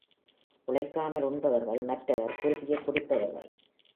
உழைக்காமல் உண்பவர்கள், மற்றவர் குருதியைக் குடிப்பவர்கள்.